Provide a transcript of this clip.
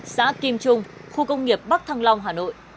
xã kim trung khu công nghiệp bắc thăng long hà nội